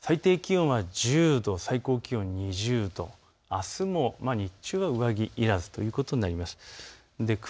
最低気温は１０度、最高気温は２０度、あすも日中は上着いらずということになります。